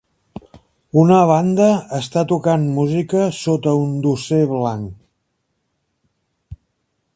Una banda està tocant música sota un dosser blanc